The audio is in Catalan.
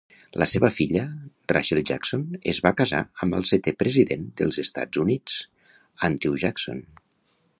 La seva filla, Rachel Jackson, es va casar amb el setè president dels Estats Units, Andrew Jackson.